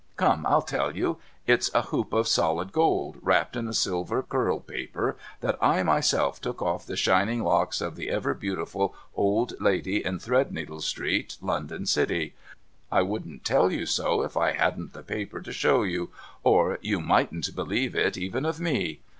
Come, I'll tell you. It's a hoop of solid gold, wrapped in a silver curl paper, that I myself took off the shining locks of the ever beautiful old lady in Thread needle street, London city ; I wouldn't tell you so if I hadn't the paper to show, or you mightn't believe it even of me.